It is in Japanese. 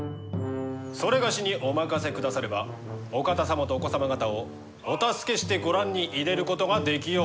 某にお任せくださればお方様とお子様方をお助けしてご覧に入れることができようかと。